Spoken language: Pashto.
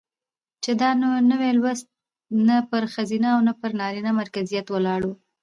چې دا نوى لوست نه پر ښځينه او نه پر نرينه مرکزيت ولاړ و،